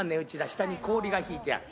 下に氷が引いてある。